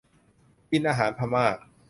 กินอาหารพม่า